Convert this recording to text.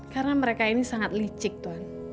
karena mereka ini sangat licik tuan